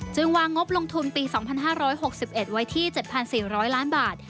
วางงบลงทุนปี๒๕๖๑ไว้ที่๗๔๐๐ล้านบาท